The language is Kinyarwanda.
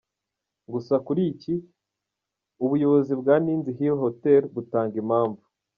Gusa kuri iki, Ubuyobozi bwa Ninzi Hill Hotel butanga impamvu.